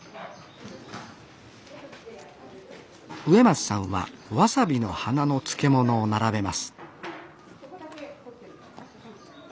植松さんはわさびの花の漬物を並べます